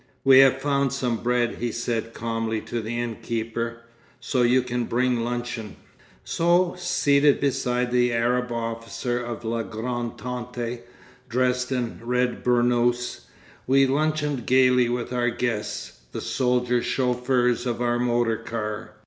"We have found some bread," he said calmly to the innkeeper, "so you can bring luncheon." So, seated beside an Arab officer of la Grande Tente, dressed in a red burnous, we luncheon gaily with our guests, the soldier chauffeurs of our motor car.